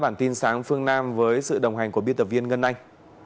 bản tin sáng phương nam với sự đồng hành của biên tập viên ngân anh